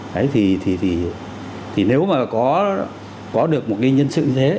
đấy thì nếu mà có được một cái nhân sự như thế